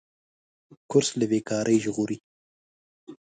کورس له بېکارۍ ژغوري.